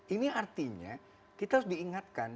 ini artinya kita harus diingatkan